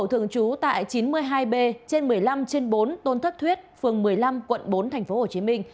tội phạm b trên một mươi năm trên bốn tôn thất thuyết phường một mươi năm quận bốn tp hcm